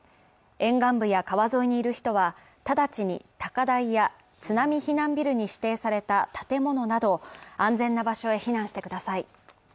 沿岸部や川沿いにいる人は直ちに高台や津波避難ビルに指定された建物など安全な場所へ避難してください。